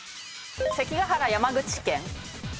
関ヶ原山口県？